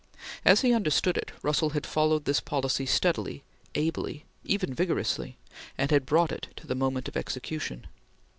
As he understood it, Russell had followed this policy steadily, ably, even vigorously, and had brought it to the moment of execution.